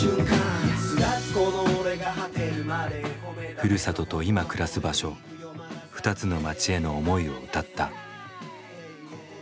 ふるさとと今暮らす場所二つの町への思いを歌った。